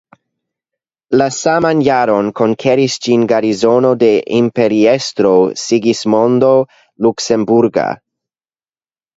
La saman jaron konkeris ĝin garnizono de imperiestro Sigismondo Luksemburga.